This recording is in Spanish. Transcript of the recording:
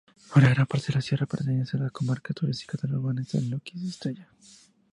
Una gran parte de la sierra pertenece a la Comarca Turística de Urbasa-Lóquiz-Estella.